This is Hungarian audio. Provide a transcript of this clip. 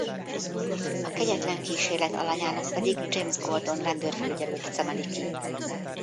A kegyetlen kísérlet alanyának pedig James Gordon rendőrfelügyelőt szemeli ki.